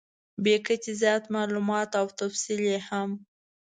بې کچې زیات مالومات او تفصیل یې هم .